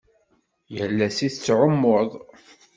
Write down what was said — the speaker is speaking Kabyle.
Yal ass i tettɛummuḍ?